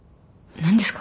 何ですか？